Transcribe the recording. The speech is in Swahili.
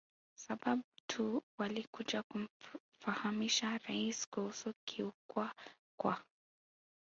sababu tu walikuja kumfahamisha Rais kuhusu kukiukwa kwa